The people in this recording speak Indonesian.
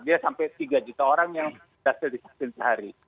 dia sampai tiga juta orang yang berhasil divaksin sehari